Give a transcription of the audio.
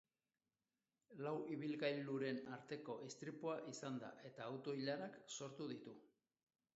Lau ibilgailuren arteko istripua izan da, eta auto-ilarak sortu ditu.